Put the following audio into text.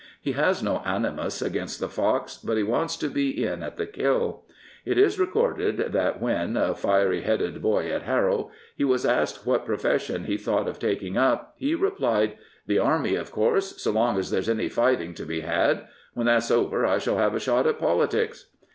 He has no animus against the fox, but he wants to be in " at the kill.'* It is recorded that when, a fiery headed boy at Harrow, he was asked what profession he thought of taking up, he replied, The Army, of course, so long as there's any fighting to be had. When that's over, I shall have a shot at politics."